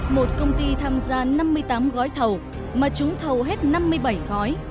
một công ty tham gia năm mươi tám gói thầu mà chúng thầu hết năm mươi bảy gói